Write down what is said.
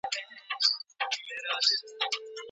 که ئې خپله نشه کړې وه، طلاق ئې واقع کيږي.